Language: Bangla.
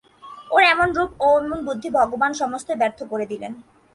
ওর এমন রূপ এমন বুদ্ধি ভগবান সমস্তই ব্যর্থ করে দিলেন!